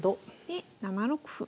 で７六歩。